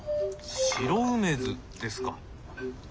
白梅酢ですか？